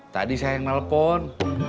tadi saya yang nelfon